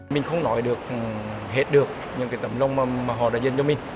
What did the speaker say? mình không nói hết được những tấm lông mà họ đã dân cho mình